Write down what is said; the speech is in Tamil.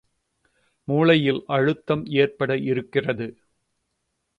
மூளையில் அழுத்தம் ஏற்பட இருக்கிறது!